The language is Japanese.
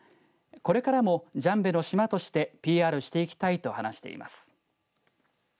これからもジャンベの島としてＰＲしていきたいと話しています。